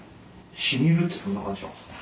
しみるってどんな感じなんですか？